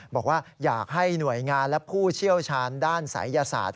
บอกว่าอยากให้หน่วยงานและผู้เชี่ยวชาญด้านศัยยศาสตร์